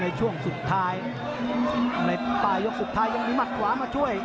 ในช่วงสุดท้ายในปลายยกสุดท้ายยังมีหมัดขวามาช่วย